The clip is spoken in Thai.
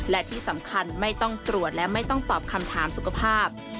และที่สำคัญไม่ต้องตรวจและไม่ต้องตอบคำถามสุขภาพ